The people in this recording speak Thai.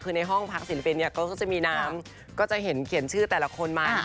คือในห้องพักศิลปินเนี่ยก็จะมีน้ำก็จะเห็นเขียนชื่อแต่ละคนมา